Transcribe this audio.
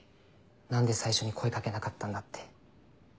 何で最初に声掛けなかったんだって。